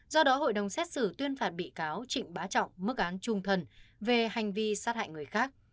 do đó hội đồng xét xử tuyên phạt bị cáo trịnh bá trọng mức án trung thần về hành vi sát hại người khác